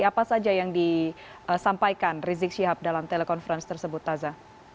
apa saja yang disampaikan rizik syihab dalam telekonferensi tersebut taza